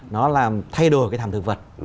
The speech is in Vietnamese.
nó làm thay đổi cái thảm thực vật